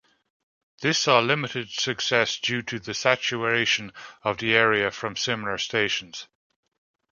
This saw limited success due to the saturation of the area from similar stations.